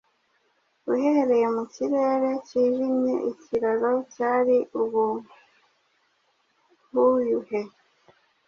Uhereye mu kirere kijimye Ikiraro cyari ubuhyuhe